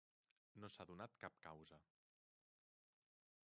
No s'ha donat cap causa.